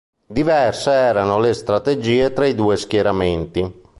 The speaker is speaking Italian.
Diverse erano le strategie tra i due schieramenti.